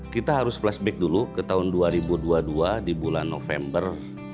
kita harus flashback dulu ke tahun dua ribu dua puluh dua di bulan november